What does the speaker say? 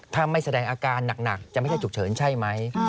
ถ้าไม่แสดงอาการหนักจะไม่ใช่ฉุกเฉินใช่ไหม